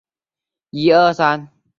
三捷青石寨的历史年代为清。